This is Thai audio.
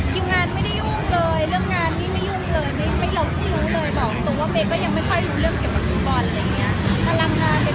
ตอนนี้พวกเขาก็บอกว่าพี่เมบดูแลอาทิตย์เรนดีมากเลย